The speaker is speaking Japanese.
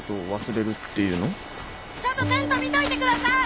ちょっとテント見といてください！